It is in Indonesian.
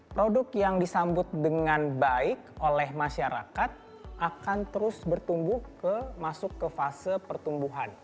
produk yang disambut dengan baik oleh masyarakat akan terus bertumbuh masuk ke fase pertumbuhan